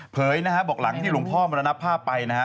นะฮะบอกหลังที่หลวงพ่อมรณภาพไปนะฮะ